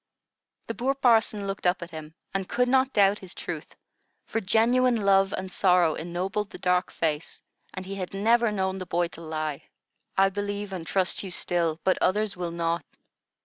The poor parson looked up at him, and could not doubt his truth; for genuine love and sorrow ennobled the dark face, and he had never known the boy to lie. "I believe and trust you still, but others will not.